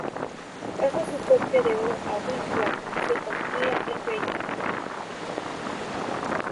Pasa su torque de oro a Wiglaf y le confía el reino.